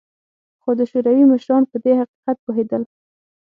خو د شوروي مشران په دې حقیقت پوهېدل